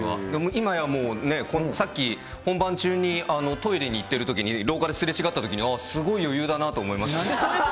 今やもうね、さっき本番中にトイレに行ってるときに廊下ですれ違ったときに、ああ、すごい余裕だなと思いましたね。